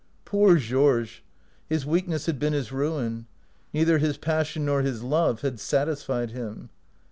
Poor Georges ! his weakness had been his ruin. Neither his passion nor his love had satisfied him.